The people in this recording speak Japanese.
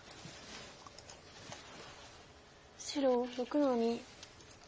白６の二。